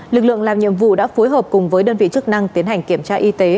lực lượng làm nhiệm vụ đã phối hợp cùng với đơn vị chức năng tiến hành kiểm tra y tế